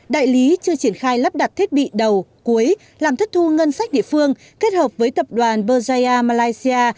đại lý chưa triển khai lắp đặt thiết bị đầu cuối làm thất thu ngân sách địa phương kết hợp với tập đoàn berjaya malaysia